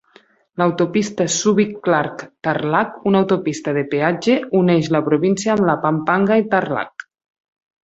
L'autopista Subic-Clark-Tarlac, una autopista de peatge, uneix la província amb la Pampanga i Tarlac.